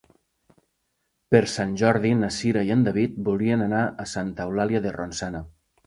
Per Sant Jordi na Cira i en David voldrien anar a Santa Eulàlia de Ronçana.